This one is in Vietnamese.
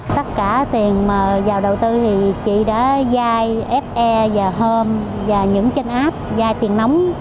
tất cả tiền mà vào đầu tư thì chỉ đã dai fe và hom và những trên app dai tiền nóng